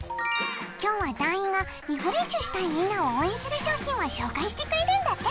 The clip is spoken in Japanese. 今日は団員がリフレッシュしたいみんなを応援する商品を紹介してくれるんだって。